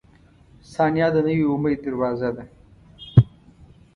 • ثانیه د نوي امید دروازه ده.